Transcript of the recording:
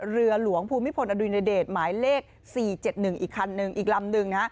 เรือหลวงภูมิพลอดุินเดชน์หมายเลข๔๗๑อีกลำหนึ่ง